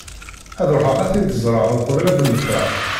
Ad ṛuḥeɣ ad t-id-ẓreɣ uqbel ad mmteɣ.